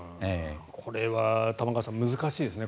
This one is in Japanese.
これは玉川さん難しいですね。